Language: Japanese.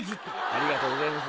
ありがとうございます。